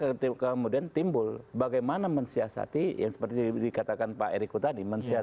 artinya makanya kemudian timbul bagaimana mensiasati yang seperti dikatakan pak ericko tadi